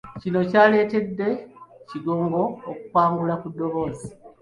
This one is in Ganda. Kino kyaletedde Kigongo okukangula ku ddoboozi.